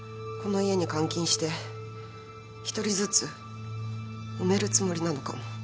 この家に監禁して１人ずつ埋めるつもりなのかも。